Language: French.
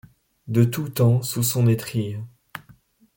De tout temps, sous son étrille